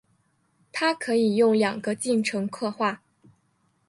它可以用两个进程刻画。